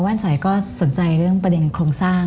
มั่นใจก็สนใจเรื่องประเด็นโครงสร้าง